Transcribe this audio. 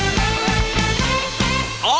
อบจมหาสนุก